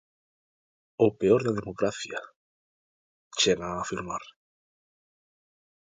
"O peor da democracia", chegan a afirmar.